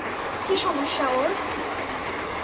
কি সমস্যা ওর?